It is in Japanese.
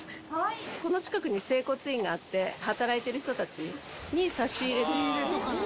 この近くに整骨院があって、働いてる人たちに差し入れです。